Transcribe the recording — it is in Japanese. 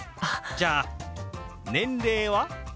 じゃあ年齢は？